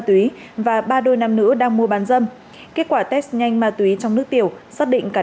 túy và ba đôi nam nữ đang mua bán dâm kết quả test nhanh ma túy trong nước tiểu xác định cả